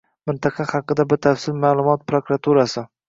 Mintaqa haqida batafsil ma'lumot Prokuraturasi: